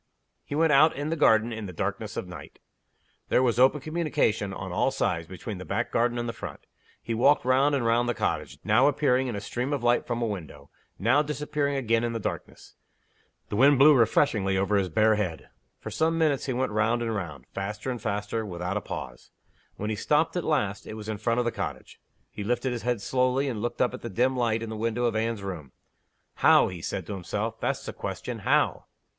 He went out in the garden in the darkness of the night. There was open communication, on all sides, between the back garden and the front. He walked round and round the cottage now appearing in a stream of light from a window; now disappearing again in the darkness. The wind blew refreshingly over his bare head. For some minutes he went round and round, faster and faster, without a pause. When he stopped at last, it was in front of the cottage. He lifted his head slowly, and looked up at the dim light in the window of Anne's room. "How?" he said to himself. "That's the question. How?"